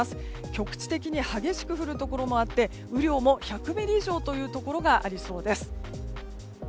局地的に激しく降るところもあって雨量も１００ミリ以上というところがありそうです。